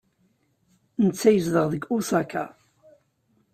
Netta yezdeɣ deg Osaka.